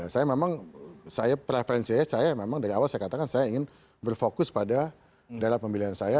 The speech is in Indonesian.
saya memang saya preferensinya saya memang dari awal saya katakan saya ingin berfokus pada daerah pemilihan saya